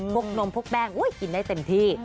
นมพวกแป้งกินได้เต็มที่